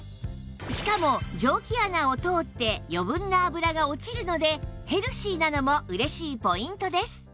しかも蒸気穴を通って余分な脂が落ちるのでヘルシーなのも嬉しいポイントです